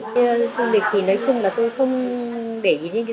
với tour lịch thì nói chung là tôi không để ý đến giá tour